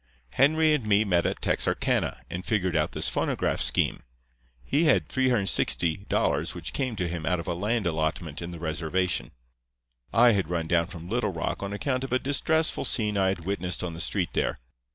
"Henry and me met at Texarkana, and figured out this phonograph scheme. He had $360 which came to him out of a land allotment in the reservation. I had run down from Little Rock on account of a distressful scene I had witnessed on the street there.